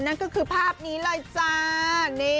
นั่นก็คือภาพนี้เลยจ้า